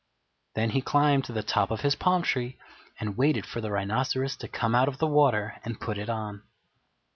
Then he climbed to the top of his palm tree and waited for the Rhinoceros to come out of the water and put it on.